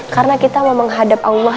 karena kita mau menghadap allah